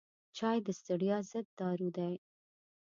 چای د ستړیا ضد دارو دی.